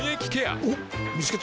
おっ見つけた。